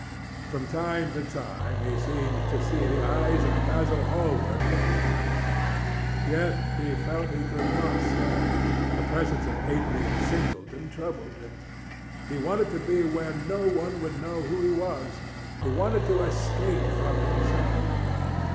From time to time he seemed to see the eyes of Basil Hallward looking at him. Yet he felt he could not stay. The presence of Adrian Singleton troubled him. He wanted to be where no one would know who he was. He wanted to escape from himself.